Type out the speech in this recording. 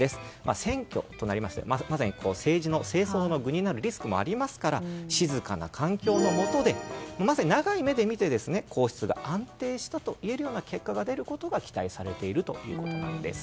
選挙となりますのでまさに政治の、政争の具になるリスクもありますから静かな環境のもとでまさに長い目で見て皇室が安定したというような結果が出ることが期待されているということです。